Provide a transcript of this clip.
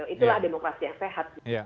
itulah demokrasi yang sehat